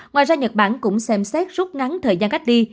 ngoài ra nhật bản cũng xem xét rút ngắn thời gian cách ly